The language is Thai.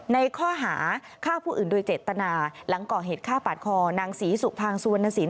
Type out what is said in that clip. ในข้อหาฆ่าผู้อื่นโดยเจตนาหลังก่อเหตุฆ่าปาดคอนางศรีสุภางสุวรรณสิน